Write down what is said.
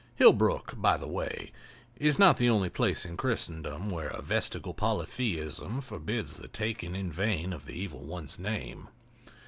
Hillbrook, by the way, is not the only place in Christendom where a vestigial polytheism forbids the taking in vain of the Evil One's name.